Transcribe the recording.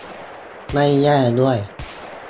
ไม่แย่ด้วย